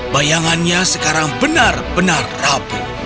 bayangannya sekarang benar benar rapuh